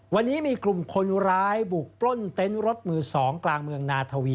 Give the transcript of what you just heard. วันนี้มีกลุ่มคนร้ายบุกปล้นเต็นต์รถมือ๒กลางเมืองนาทวี